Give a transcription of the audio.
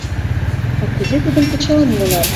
— А кузе Тудым кычал муынат?